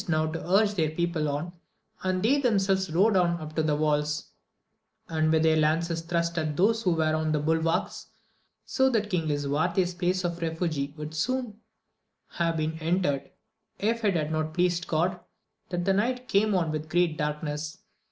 229 not to urge their people on, and they themselves rode up to the walls, and with their lances thrust at those who were on the bulwarks ; so that King Lisuarte's place of refuge would soon have been entered, if it had not pleased God that the night came on with great darkness.